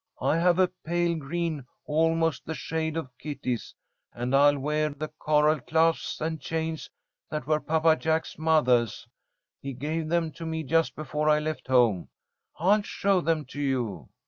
I have a pale green almost the shade of Kitty's, and I'll wear the coral clasps and chains that were Papa Jack's mothah's. He gave them to me just before I left home. I'll show them to you."